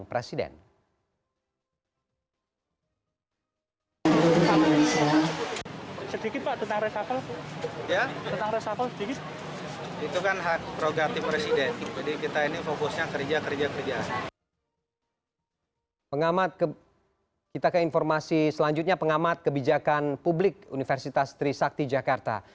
pengamat kita ke informasi selanjutnya pengamat kebijakan publik universitas trisakti jakarta